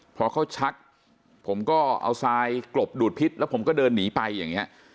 พอเขาชักผมก็เอาทรายกลบดูดพิษแล้วผมก็เดินหนีไปอย่างนี้